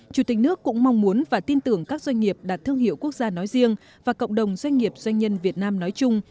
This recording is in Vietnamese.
chủ tịch nước cũng mong muốn và tin tưởng các doanh nghiệp đạt thương hiệu quốc gia nói riêng và cộng đồng doanh nghiệp doanh nhân việt nam nói chung